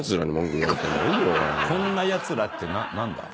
「こんなやつら」って何だ？